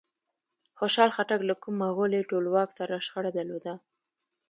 خوشحال خټک له کوم مغولي ټولواک سره شخړه درلوده؟